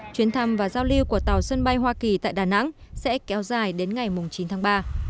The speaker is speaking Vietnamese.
chuyến thăm và giao lưu của tàu sân bay hoa kỳ tại đà nẵng sẽ kéo dài đến ngày chín tháng ba